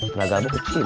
tenaga kamu kecil